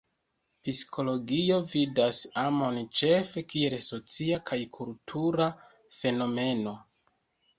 Psikologio vidas amon ĉefe kiel socia kaj kultura fenomeno.